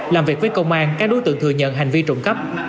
làm việc với công an các đối tượng thừa nhận hành vi trộm cắp